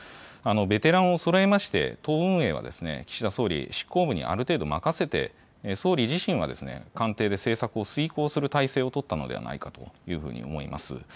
ベテランをそろえまして、党運営は岸田総理、執行部にある程度任せて、総理自身は、官邸で政策を遂行する態勢を取ったのではないかと思います。